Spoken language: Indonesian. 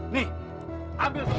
nih ambil semua